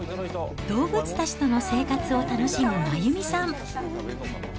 動物たちとの生活を楽しむ真弓さん。